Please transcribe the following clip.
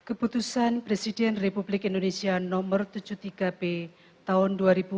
keputusan presiden republik indonesia nomor tujuh puluh tiga b tahun dua ribu dua puluh